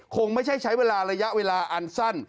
คงไม่ใช่ใช้เวลาระยะเวลาอันสั้น